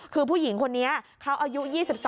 คือผู้หญิงคนนี้เขาอายุ๒๒